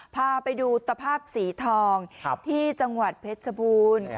พาไปดูตภาพสีทองที่จังหวัดเพชรชบูรณ์